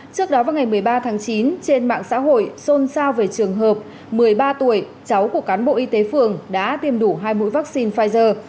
trước đó vào ngày một mươi ba tháng chín trên mạng xã hội xôn xao về trường hợp một mươi ba tuổi cháu của cán bộ y tế phường đã tiêm đủ hai mũi vaccine pfizer